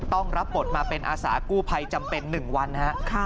ต้องรับบทมาเป็นอาสากู้ภัยจำเป็น๑วันนะครับ